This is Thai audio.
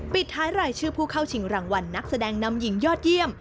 ปิดท้ายรายชื่อผู้เข้าชิงรางวัลนักแสดงนำหญิงยอดเยี่ยม